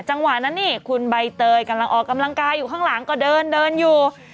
จังหวะนั้นนี่คุณใบเตยกำลังออกกำลังกายอยู่ข้างหลังก็เดินเดินอยู่